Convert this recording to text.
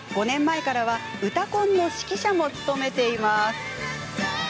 ５年前からは「うたコン」の指揮者も務めています。